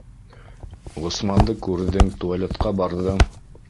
Ғосманды күрҙең, туалетҡа барҙың.